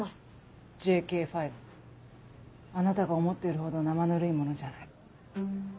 あなたが思っているほど生ぬるいものじゃない。